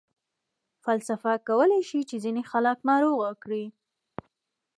فلسفه کولای شي چې ځینې خلک ناروغه کړي.